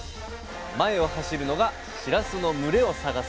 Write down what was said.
前を走るのがしらすの群れを探す